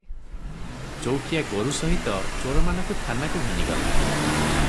ଚୌକିଆ ଗୋରୁ ସହିତ ଚୋରମାନଙ୍କୁ ଥାନାକୁ ଘେନିଗଲା ।